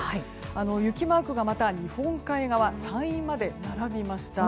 雪マークがまた日本海側山陰まで並びました。